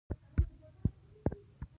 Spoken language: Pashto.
يوه ورځ چې کور ته ورغلم.